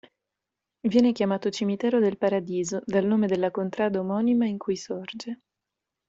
Viene chiamato cimitero del Paradiso, dal nome della contrada omonima in cui sorge.